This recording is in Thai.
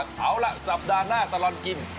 ขอบคุณนะครับ